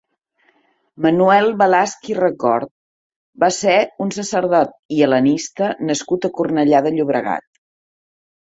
Manuel Balasch i Recort va ser un sacerdot i hel·lenista nascut a Cornellà de Llobregat.